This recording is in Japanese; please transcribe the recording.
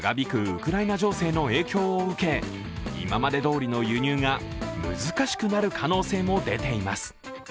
ウクライナ情勢の影響を受け、今までどおりの輸入が難しくなる可能性も出ています。